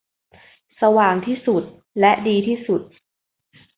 สว่างที่สุดและดีที่สุด